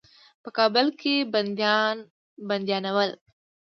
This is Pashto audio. په کابل کې بندیان ول.